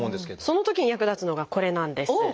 そのときに役立つのがこれなんです。